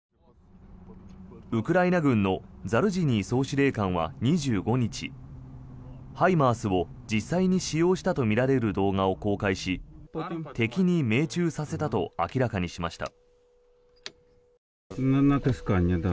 ウクライナ軍のザルジニー総司令官は２５日ＨＩＭＡＲＳを実際に使用したとみられる動画を公開し敵に命中させたと明らかにしました。